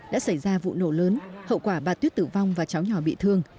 đã xảy ra vụ nổ lớn hậu quả bà tuyết tử vong và cháu nhỏ bị thương